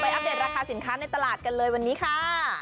อัปเดตราคาสินค้าในตลาดกันเลยวันนี้ค่ะ